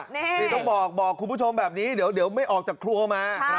นี่ต้องบอกคุณผู้ชมแบบนี้เดี๋ยวไม่ออกจากครัวมา